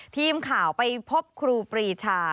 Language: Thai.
ทีมข่าวไปพบครูปรีชา